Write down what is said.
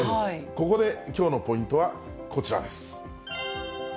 ここできょうのポイントはこちらです。